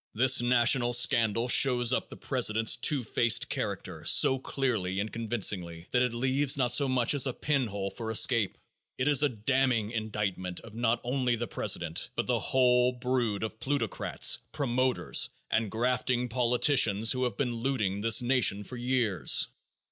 This national scandal shows up the president's two faced character so clearly and convincingly that it leaves not so much as a pin hole for escape. It is a damning indictment of not only the president, but the whole brood of plutocrats, promoters and grafting politicians who have been looting this nation for years.